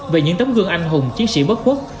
về những tấm gương anh hùng chiến sĩ bất quốc